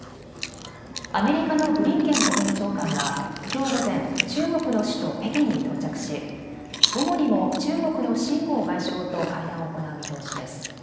アメリカのブリンケン国務長官はきょう午前、中国の首都・北京に到着し午後にも中国の秦剛外相と会談を行う見通しです。